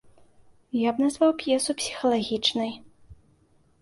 Я б назваў п'есу псіхалагічнай.